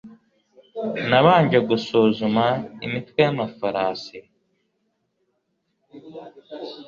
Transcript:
Nabanje gusuzuma imitwe yamafarasi